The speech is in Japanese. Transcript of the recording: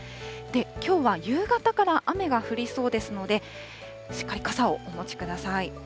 きょうは夕方から雨が降りそうですので、しっかり傘をお持ちください。